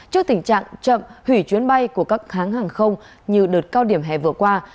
trước tình trạng chậm hủy chuyến bay của các kháng hàng không như đợt cao điểm hẹ vừa qua